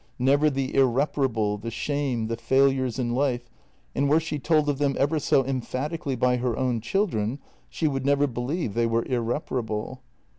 Never the irreparable, the shame, the failures in life, and were she told of them ever so emphatically by her own children, she would never believe they were irreparable.